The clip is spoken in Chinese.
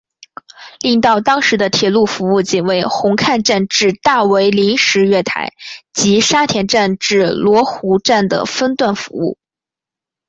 令到当时的铁路服务仅为红磡站至大围临时月台及沙田站至罗湖站的分段服务。